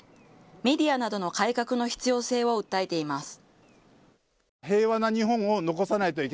メディアなどの改革の必要性を訴えています。